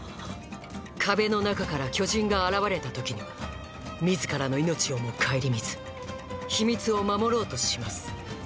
壁の中から巨人が現れた時には自らの命をも顧みず秘密を守ろうとします